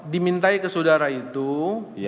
dimintai ke saudara itu berapa kali